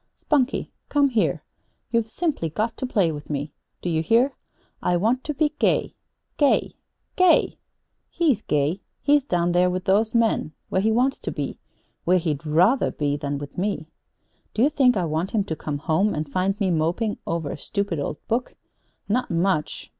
"Spunkie, come here! You've simply got to play with me. Do you hear? I want to be gay gay GAY! He's gay. He's down there with those men, where he wants to be. Where he'd rather be than be with me! Do you think I want him to come home and find me moping over a stupid old book? Not much!